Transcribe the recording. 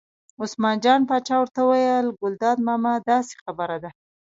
عثمان جان پاچا ورته وویل: ګلداد ماما داسې خبره ده.